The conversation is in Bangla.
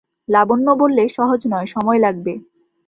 লাবণ্য বললে, সহজ নয়, সময় লাগবে।